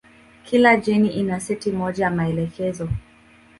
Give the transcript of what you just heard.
Kila jeni ina seti moja ya maelekezo.